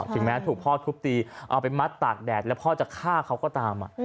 ถึงแม้ถูกพ่อทุบตีเอาไปมัดตากแดดแล้วพ่อจะฆ่าเขาก็ตาม